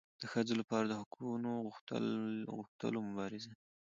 د ښځو لپاره د حقونو د غوښتلو مبارزې